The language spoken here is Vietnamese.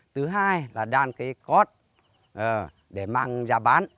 thứ hai là đan cái cod để mang ra bán